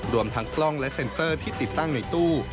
รวมทั้งกล้องและเซ็นเซอร์ที่ติดตั้งในตู้